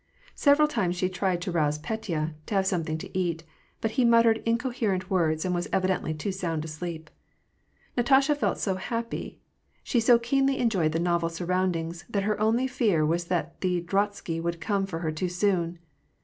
Several times she tried to rouse Petya, to have something to eat ; but he muttered incoherent words, and was evidently too sound asleep. Natasha felt so happy, she so keenly enjoyed the novel surroundings, that her only fear was that the drozhsky would come for her too soon.